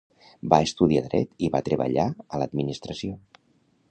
Va estudiar dret i va treballar a l'administració.